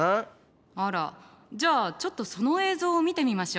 あらじゃあちょっとその映像を見てみましょうか。